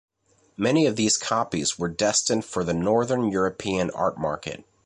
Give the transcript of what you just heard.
Many of these copies were destined for the Northern-European art market.